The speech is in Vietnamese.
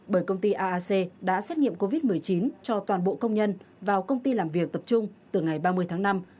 bởi công ty aac đã xét nghiệm covid một mươi chín cho toàn bộ công nhân vào công ty làm việc tập trung từ ngày ba mươi tháng năm